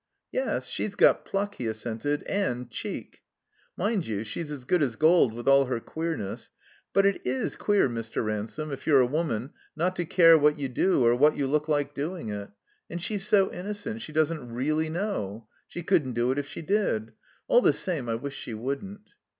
'Yes, she's got pluck," he assented. And cheek." Mind you, she's as good as gold, with all her queemess. But it is queer, Mr. Ransome, if you're a woman, not to care what you do, or what you look like doing it. And she's so innocent, she doesn't reelly know. She couldn't do it if she did. * All the same, I wish she wouldn't."